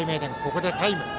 ここでタイム。